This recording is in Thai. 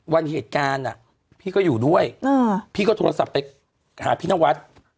วันเหตุการณ์พี่ก็อยู่ด้วยพี่ก็โทรศัพท์ไปหาพี่นวัด